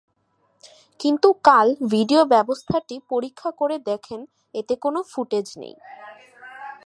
কিন্তু কাল ভিডিও ব্যবস্থাটি পরীক্ষা করে দেখেন, এতে কোনো ফুটেজ নেই।